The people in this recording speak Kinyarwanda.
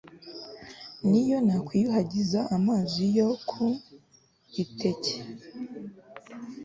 n'iyo nakwiyuhagiza amazi yo ku iteke